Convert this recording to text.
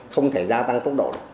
không thể gia tăng tốc độ được